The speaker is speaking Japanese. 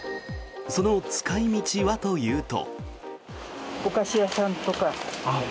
その使い道はというと。